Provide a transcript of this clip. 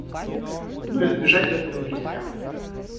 Но избежать этого нельзя.